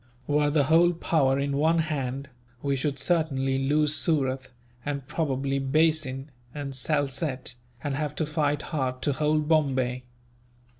Were the whole power in one hand, we should certainly lose Surat, and probably Bassein and Salsette, and have to fight hard to hold Bombay.